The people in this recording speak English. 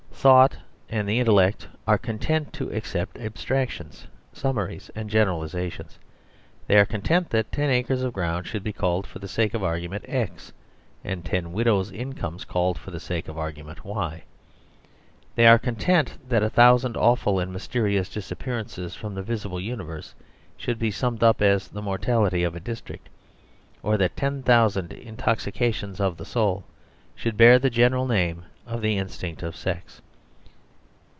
Thought and the intellect are content to accept abstractions, summaries, and generalisations; they are content that ten acres of ground should be called for the sake of argument X, and ten widows' incomes called for the sake of argument Y; they are content that a thousand awful and mysterious disappearances from the visible universe should be summed up as the mortality of a district, or that ten thousand intoxications of the soul should bear the general name of the instinct of sex.